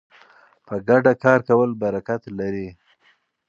په ګډه کار کول برکت لري.